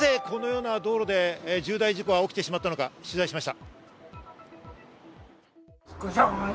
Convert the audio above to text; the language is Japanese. なぜこのような道路で重大事故が起きてしまったのか、取材しました。